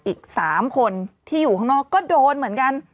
อีก๓คนที่อยู่ข้างนอกก็โดนเหมือนกัน